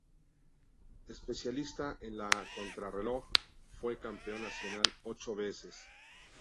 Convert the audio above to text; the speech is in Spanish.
Especialista en la contrarreloj, fue campeón nacional ocho veces.